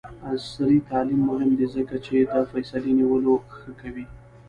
عصري تعلیم مهم دی ځکه چې د فیصلې نیولو ښه کوي.